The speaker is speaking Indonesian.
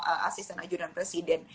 asisten ajudan presiden